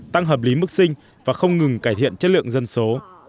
tăng hợp lý mức sinh và không ngừng cải thiện chất lượng dân số